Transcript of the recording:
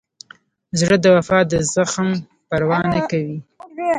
زړه د وفا د زخم پروا نه کوي.